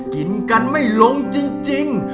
กินกันไม่ลงจริง